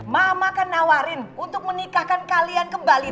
mama kan nawarin untuk menikahkan kalian kembali